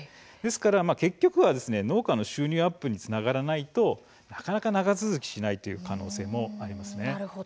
結局は農家の収入アップにつながらないとなかなか長続きしない可能性もあります。